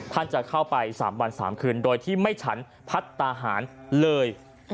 จะเข้าไป๓วัน๓คืนโดยที่ไม่ฉันพัฒนาหารเลย